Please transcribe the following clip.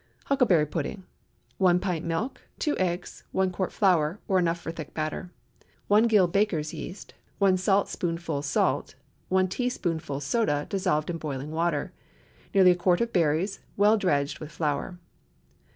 HUCKLEBERRY PUDDING. ✠ 1 pint milk. 2 eggs. 1 quart flour—or enough for thick batter. 1 gill baker's yeast. 1 saltspoonful salt. 1 teaspoonful soda, dissolved in boiling water. Nearly a quart of berries—well dredged with flour.